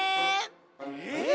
えっ！？